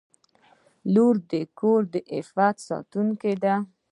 • لور د کور د عفت ساتونکې ده.